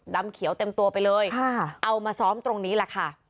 ดำเขียวเต็มตัวไปเลยเอามาซ้อมตรงนี้แหละค่ะ